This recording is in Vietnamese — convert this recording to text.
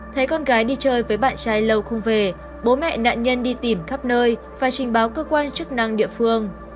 thấy con gái đi chơi với bạn trai lâu không về bố mẹ nạn nhân đi tìm khắp nơi và trình báo cơ quan chức năng địa phương